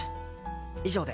以上で。